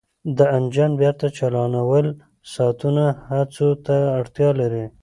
د انجن بیرته چالانول ساعتونو هڅو ته اړتیا لري